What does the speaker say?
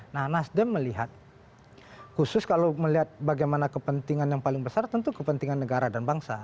nah nasdem melihat khusus kalau melihat bagaimana kepentingan yang paling besar tentu kepentingan negara dan bangsa